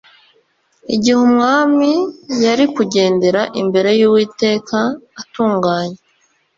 igihe umwami yari kugendera imbere y'uwiteka atunganye